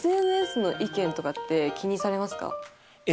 ＳＮＳの意見とかって気にされますか？